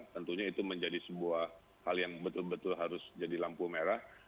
tentunya itu menjadi sebuah hal yang betul betul harus jadi lampu merah